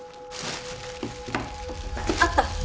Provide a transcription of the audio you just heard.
あった！